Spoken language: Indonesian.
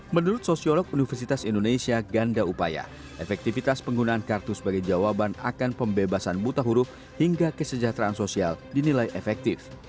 menurut sosiolog universitas indonesia ganda upaya efektivitas penggunaan kartu sebagai jawaban akan pembebasan buta huruf hingga kesejahteraan sosial dinilai efektif